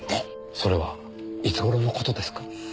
それはいつ頃の事ですか？